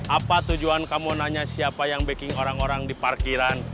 apa tujuan kamu nanya siapa yang baking orang orang di parkiran